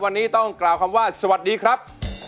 วันนี้ต้องกล่าวคำว่าสวัสดีครับ